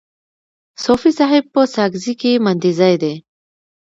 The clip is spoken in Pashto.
صوفي صاحب په ساکزی کي مندینزای دی.